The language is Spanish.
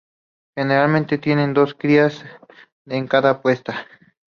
Generalmente tienen dos crías en cada puesta.